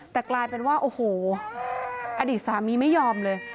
แต่กลายเป็นว่าโอ้โหอดีตสามีไม่ยอมเลย